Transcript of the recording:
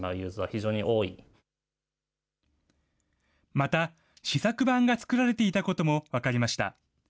また、試作版が作られていたことも分かりました。